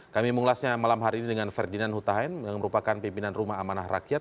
kami mengulasnya malam hari ini dengan ferdinand hutahen yang merupakan pimpinan rumah amanah rakyat